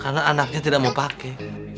karena anaknya tidak mau pakai